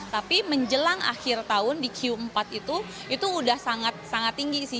tapi menjelang akhir tahun di q empat itu itu udah sangat sangat tinggi sih